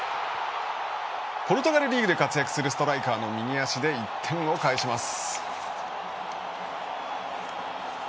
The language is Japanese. ポルトガルリーグで活躍するストライカーの右足で１点を返します。